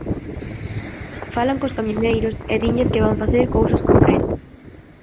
Falan cos camioneiros e dinlles que van facer cousas concretas.